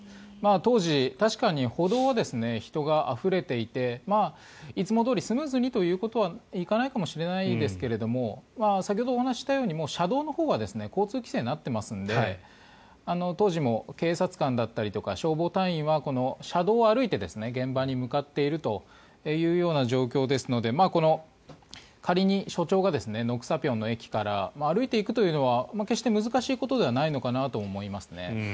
当時、確かに歩道は人があふれていていつもどおりスムーズにということはいかないかもしれないですが先ほどお話ししたように車道はもう交通規制になっていますので当時も警察官だったりとか消防隊員は車道を歩いて現場に向かっているという状況ですので仮に署長が、緑莎坪の駅から歩いていくというのは決して難しいことではないのかなという気がしますね。